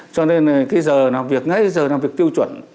cho nên cái giờ làm việc ngay giờ làm việc tiêu chuẩn